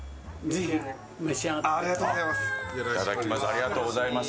ありがとうございます。